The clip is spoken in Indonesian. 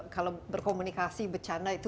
kalau berkomunikasi bercanda itu